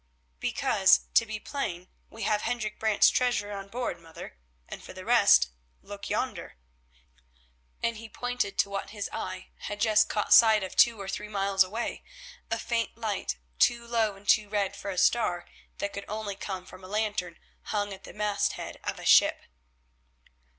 "Because, to be plain, we have Hendrik Brant's treasure on board, mother, and for the rest look yonder—" and he pointed to what his eye had just caught sight of two or three miles away, a faint light, too low and too red for a star, that could only come from a lantern hung at the masthead of a ship.